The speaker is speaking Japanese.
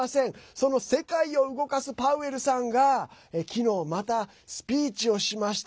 その世界を動かすパウエルさんが昨日またスピーチをしました。